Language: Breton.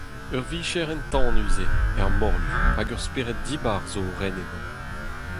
Ur vicher entanus eo, er morlu, hag ur spered dibar zo o ren eno.